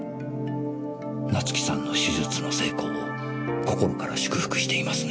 夏生さんの手術の成功を心から祝福していますね。